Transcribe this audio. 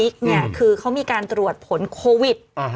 คือเขามีการตรวจผลโควิด